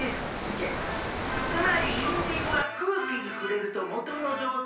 つまりインディゴは空気に触れると元の状態